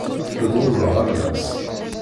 Tḍul lɣerba-s.